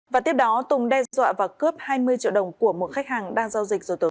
và tiếp đó tùng đe dọa và cướp hai mươi triệu đồng của một khách hàng đang giao dịch rồi tổ chức